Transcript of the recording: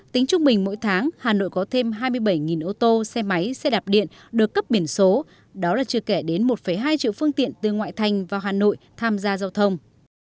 tính trung bình mỗi tháng hà nội có thêm hai mươi bảy ô tô xe máy xe đạp điện được cấp biển số đó là chưa kể đến một hai triệu phương tiện từ ngoại thành vào hà nội tham gia giao thông